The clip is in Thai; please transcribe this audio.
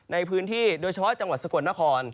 ในพื้นที่โดยเฉพาะจังหวัดสะกดนคร